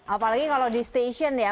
apalagi kalau di stasiun ya